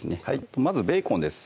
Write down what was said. まずベーコンです